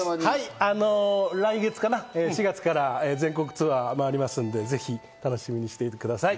来月から、４月から全国ツアーもありますので楽しみにしていてください。